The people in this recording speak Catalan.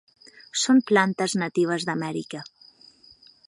Són plantes natives d’Amèrica.